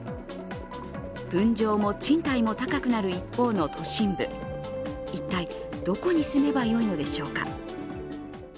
分譲も賃貸も高くなる一方の都心部、一体どこに住めばいいのでしょうか。